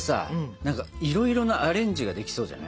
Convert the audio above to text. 何かいろいろなアレンジができそうじゃない？